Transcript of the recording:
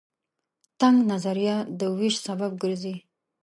تنگ نظرۍ د وېش سبب ګرځي.